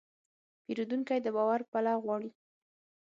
پیرودونکی د باور پله غواړي.